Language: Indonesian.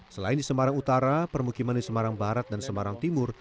selain di semarang utara permukiman di semarang barat dan semarang timur